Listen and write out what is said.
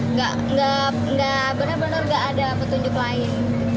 nggak nggak nggak bener bener nggak ada petunjuk lain